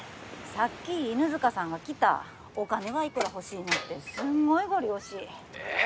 さっき犬塚さんが来た「お金はいくら欲しいの」ってすんごいゴリ押し☎えっ？